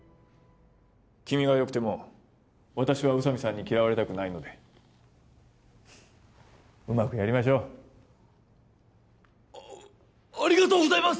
君がよくても私は宇佐美さんに嫌われたくないのでうまくやりましょうありがとうございます！